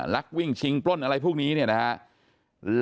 ลักวิ่งชิงปล้นอะไรพวกนี้นะครับ